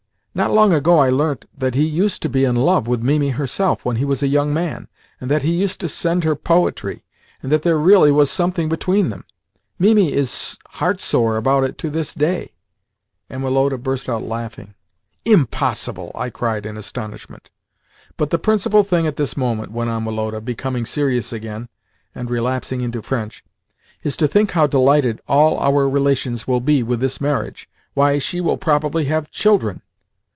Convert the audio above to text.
Not long ago I learnt that he used to be in love with Mimi herself when he was a young man, and that he used to send her poetry, and that there really was something between them. Mimi is heart sore about it to this day" and Woloda burst out laughing. "Impossible!" I cried in astonishment. "But the principal thing at this moment," went on Woloda, becoming serious again, and relapsing into French, "is to think how delighted all our relations will be with this marriage! Why, she will probably have children!"